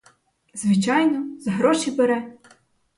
Звичайно, за гроші бере.